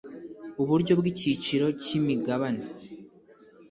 uburyo bw icyiciro cy imigabane